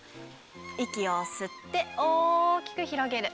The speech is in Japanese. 息を吸って大きく広げる。